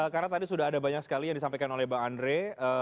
karena tadi sudah ada banyak sekali yang disampaikan oleh mbak andre